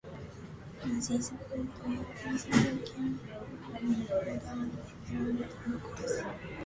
Nazis fought youngsters who cared for a modern liberal democracy.